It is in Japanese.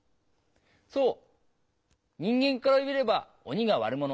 そう人間から見れば鬼が悪者。